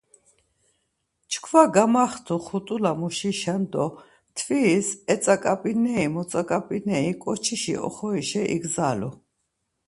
Çkva gamaxtu xut̆ula muşişen do mtviris etzaǩap̌ineri motzaǩap̌ineri ǩoçişi oxorişa igzalu.